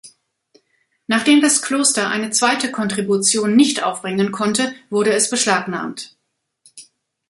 Nachdem das Kloster eine zweite Kontribution nicht aufbringen konnte, wurde es beschlagnahmt.